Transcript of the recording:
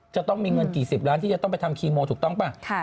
จะต้องมีเงินกี่สิบล้านที่จะต้องไปทำคีโมถูกต้องป่ะ